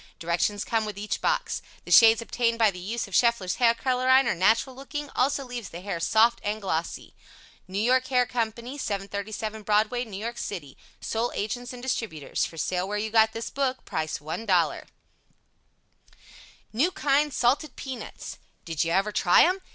Directions come with each box. The shades obtained by the use of Scheffler's Hair Colorine are natural looking also leaves the hair soft and glossy. NEW YORK HAIR COMPANY 737 Broadway, N. Y. City. Sole Agents and Distributors For Sale where you got this book. Price $1.00 NEW KIND SALTED PEANUTS Did you ever try them?